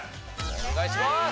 お願いします！